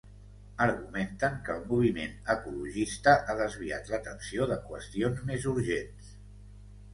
Argumenten que el moviment ecologista ha desviat l’atenció de qüestions més urgents.